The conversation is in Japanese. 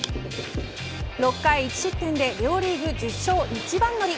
６回１失点で両リーグ１０勝、一番乗り。